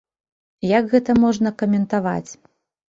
Як гэта можна каментаваць?